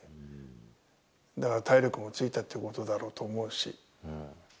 だから体力もついたということだろうと思うし。